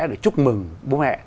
để chúc mừng bố mẹ